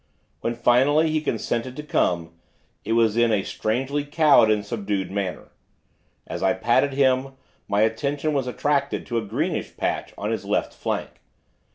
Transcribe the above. When, finally, he consented to come, it was in a strangely cowed and subdued manner. As I patted him, my attention was attracted to a greenish patch, on his left flank.